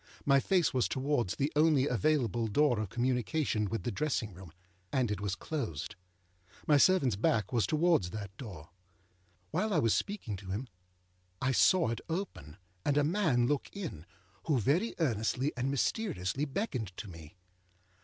My face was towards the only available door of communication with the dressing room, and it was closed. My servantâs back was towards that door. While I was speaking to him, I saw it open, and a man look in, who very earnestly and mysteriously beckoned to me.